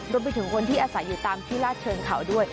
รวมไปถึงคนที่อาศัยอยู่ตามที่ลาดเชิงเขาด้วย